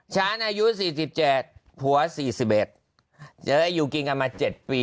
ใช่หนังพูดเองฉันอายุ๔๗ผัว๔๑อยู่กินกันมาเจ็ดปี